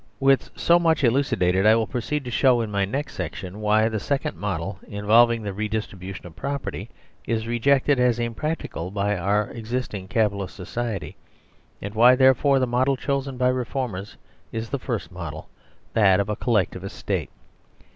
With so much elucidated, I will proceed to show in my next section why the second model, involving the redistribution of property, is rejected as imprac ticable by our existing Capitalist Society, and why, therefore, the model chosen by reformers is the first model, that of a Collectivist State.